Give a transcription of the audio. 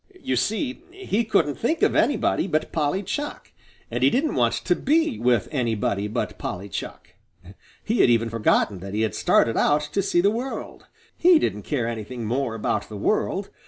You see, he couldn't think of anybody but Polly Chuck, and he didn't want to be with anybody but Polly Chuck. He had even forgotten that he had started out to see the world. He didn't care anything more about the world.